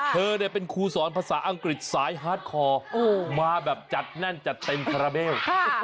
เธอเป็นครูสอนภาษาอังกฤษสายฮาร์ดคอร์มาแบบจัดแน่นจัดเต็มคาราเบล